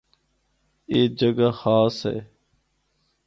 اے جگہ خاص ہے۔